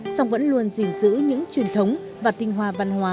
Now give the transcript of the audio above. song vẫn luôn gìn giữ những truyền thống và tinh hoa văn hóa